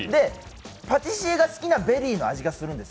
パティシエが好きなベリーな味がするんです。